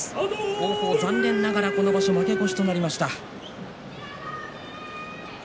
王鵬は残念ながら今場所負け越しとなりました。